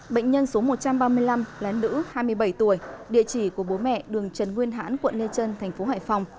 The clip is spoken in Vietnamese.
bệnh nhân số một trăm ba mươi năm là nữ hai mươi bảy tuổi địa chỉ của bố mẹ đường trần nguyên hãn quận lê trân tp hải phòng